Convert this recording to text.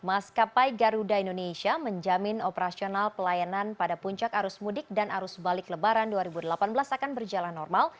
maskapai garuda indonesia menjamin operasional pelayanan pada puncak arus mudik dan arus balik lebaran dua ribu delapan belas akan berjalan normal